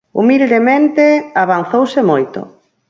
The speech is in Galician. Humildemente avanzouse moito.